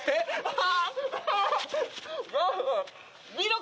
あ！